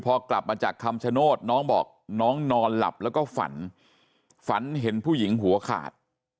พอกลับมาจากคำชโนธน้องบอกน้องนอนหลับแล้วก็ฝันฝันเห็นผู้หญิงหัวขาด